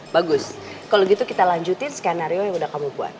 bagus kalau gitu kita lanjutin skenario yang udah kamu buat